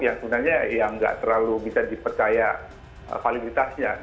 yang sebenarnya ya nggak terlalu bisa dipercaya validitasnya